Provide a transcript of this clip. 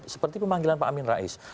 seperti pemanggilan pak amin rais